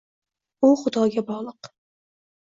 U xudoga bog`liq